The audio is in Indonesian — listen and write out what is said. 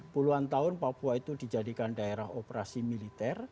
puluhan tahun papua itu dijadikan daerah operasi militer